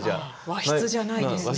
和室じゃないですよね。